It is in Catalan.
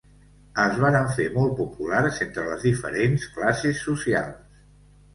Es varen fer molt populars entre les diferents classes socials.